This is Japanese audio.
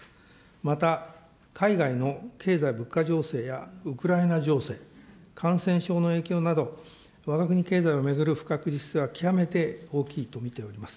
また、海外の経済物価情勢やウクライナ情勢、感染症の影響など、わが国経済を巡る不確実性は極めて大きいと見ております。